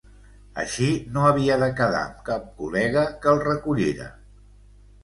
Així no havia de quedar amb cap col·lega que el recollira.